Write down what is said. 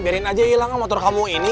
mari teh silahkan duduk